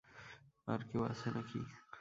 আর কেউ আছে নাকি?